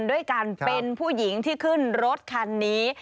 ด้วยการเป็นผู้หญิงที่ขึ้นรถคันนี้